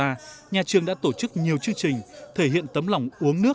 các nhà trường đã tổ chức nhiều chương trình thể hiện tấm lòng uống nước nhớ nguồn